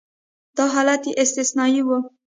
دا حالت یې استثنایي و.